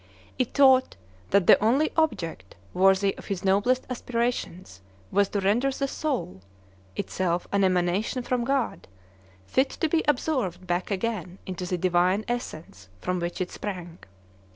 It taught that the only object worthy of his noblest aspirations was to render the soul (itself an emanation from God) fit to be absorbed back again into the Divine essence from which it sprang.